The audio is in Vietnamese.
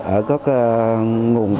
ở các nguồn